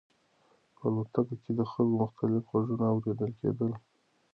په الوتکه کې د خلکو مختلف غږونه اورېدل کېدل.